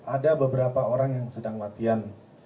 ada beberapa orang yang sedang latihan